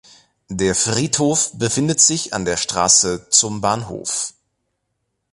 Der Friedhof befindet sich an der Straße „Zum Bahnhof“.